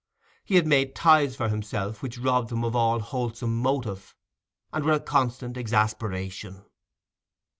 He had made ties for himself which robbed him of all wholesome motive, and were a constant exasperation.